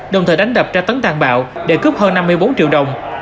đồng thời đánh đập tra tấn tàn bạo để cướp hơn năm mươi bốn triệu đồng